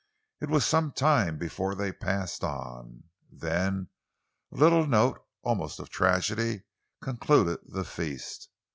It was some time before they passed on. Then a little note almost of tragedy concluded the feast.